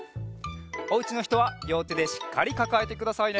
おうちのひとはりょうてでしっかりかかえてくださいね。